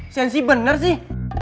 sensi bener sih